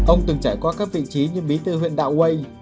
ông từng trải qua các vị trí như bí thư huyện đạo quây